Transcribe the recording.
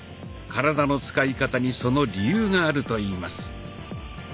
体の使い方にその理由があるといいます。